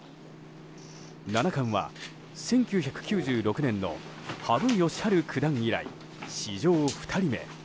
七冠は１９９６年の羽生善治九段以来史上２人目。